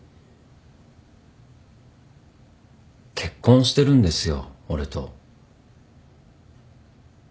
結婚してるんですよ俺と。